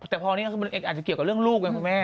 แต่พอเนี่ยแต่พอนี้อาจจะเกี่ยวกับเรื่องลูกไหมคุณแม่